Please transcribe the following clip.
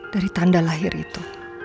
dari tanda lahir itu